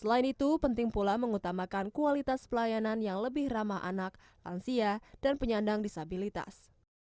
selain itu penting pula mengutamakan kualitas pelayanan yang lebih ramah anak lansia dan penyandang disabilitas